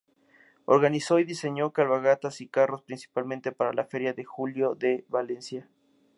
Organizó y diseñó cabalgatas y carros, principalmente para la "Feria de Julio de Valencia".